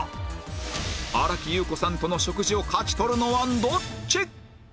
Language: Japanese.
新木優子さんとの食事を勝ち取るのはどっち？